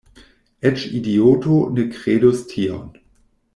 Eĉ idioto ne kredus tion.